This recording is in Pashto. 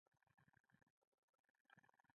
ورپسې پېښو دا خبره په ډاګه کړه.